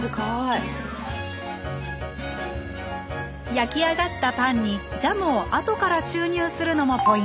焼き上がったパンにジャムを後から注入するのもポイント。